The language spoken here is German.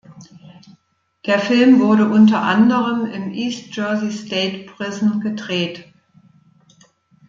Der Film wurde unter anderem im East Jersey State Prison gedreht.